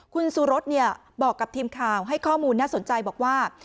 คุณสุรสบอกกับทีมข่าวให้ข้อมูลน่าสนใจบอกว่า